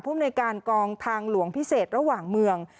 ภูมิในการกองทางหลวงพิเศษระหว่างเมือง